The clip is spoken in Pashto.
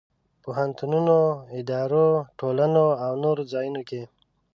پوهنتونونو، ادارو، ټولنو او نور ځایونو کې.